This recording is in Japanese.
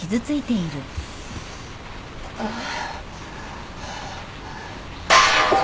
ああ。